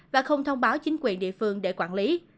và không thông báo chính quyền địa phương để quản lý